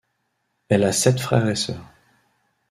Elle a sept frères et sœurs.